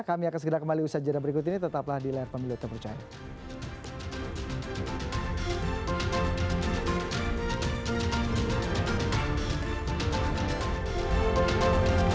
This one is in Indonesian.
kami akan segera kembali usaha jadwal berikut ini tetaplah di layar pemilu terpercaya